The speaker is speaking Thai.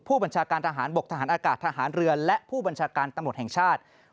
ผู้บัญชาการทหารบกทหารอากาศทหารเรือและผู้บัญชาการตำรวจแห่งชาติ